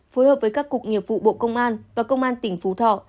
phối hợp với các cục nghiệp vụ bộ công an và công an tỉnh phú thọ